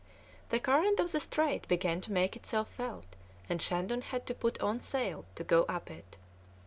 The current of the Strait began to make itself felt, and Shandon had to put on sail to go up it.